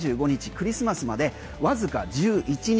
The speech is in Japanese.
クリスマスまでわずか１１日